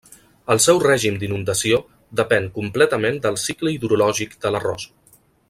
El seu règim d’inundació depèn completament del cicle hidrològic de l’arròs.